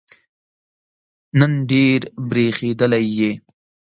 نن ډېر برېښېدلی یې